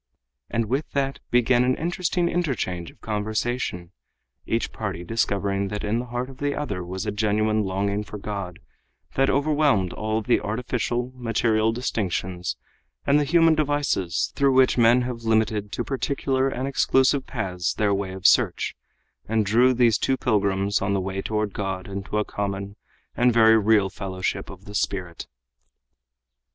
And with that began an interesting interchange of conversation, each party discovering that in the heart of the other was a genuine longing for God that overwhelmed all the artificial, material distinctions and the human devices through which men have limited to particular and exclusive paths their way of search, and drew these two pilgrims on the way toward God into a common and very real fellowship of the spirit.